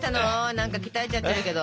何か鍛えちゃってるけど。